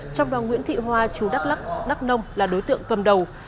trong đó nguyễn thị hoa chú đắk lắc đắk nông là đối tượng cầm đầu